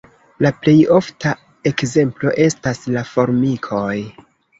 La plej ofta ekzemplo estas la formikoj.